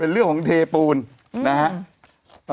เรื่องของเทปูนนะฮะ